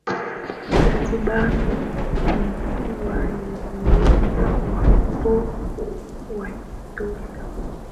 Zanzibar ni kisiwa iliyojaa urembo wa kutosha